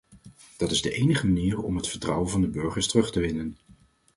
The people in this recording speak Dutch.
Dat is de enige manier om het vertrouwen van de burgers terug te winnen.